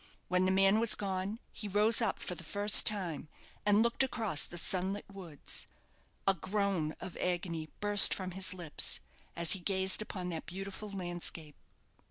When the man was gone, he rose up for the first time, and looked across the sunlit woods. A groan of agony burst from his lips as he gazed upon that beautiful landscape.